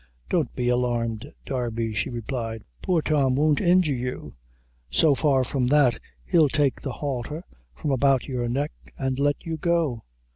"Don't be alarmed, Darby," she replied, "poor Tom won't injure you; so far from that, he'll take the halter from about your neck, an' let you go.